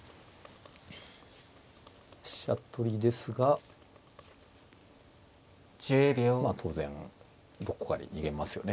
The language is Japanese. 飛車取りですがまあ当然どこかへ逃げますよね。